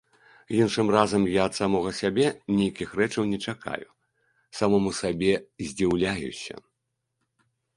Іншым разам я ад самога сябе нейкіх рэчаў не чакаю, самому сабе здзіўляюся.